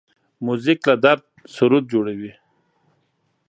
موزیک له درده سرود جوړوي.